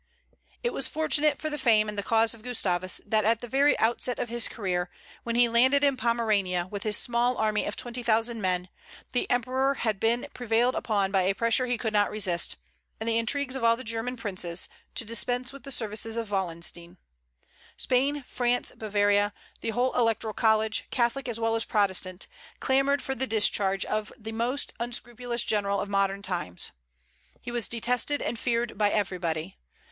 It was fortunate for the fame and the cause of Gustavus that at the very outset of his career, when he landed in Pomerania, with his small army of twenty thousand men, the Emperor had been prevailed upon by a pressure he could not resist, and the intrigues of all the German princes, to dispense with the services of Wallenstein. Spain, France, Bavaria, the whole Electoral College, Catholic as well as Protestant, clamored for the discharge of the most unscrupulous general of modern times. He was detested and feared by everybody.